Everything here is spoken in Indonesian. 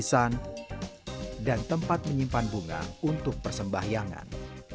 lisan dan tempat menyimpan bunga untuk persembahyangan